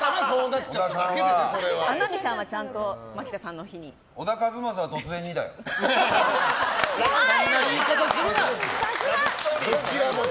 天海さんはちゃんと小田和正は突然にだよ。そんな言い方するな！